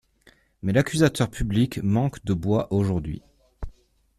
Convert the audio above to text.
Mais l'accusateur public manque de bois aujourd'hui.